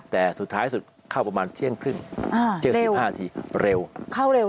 แต่สุดท้ายสุดเข้าประมาณเชื่อนครึ่งเชื่อน๔๕กิโลเมตรเร็ว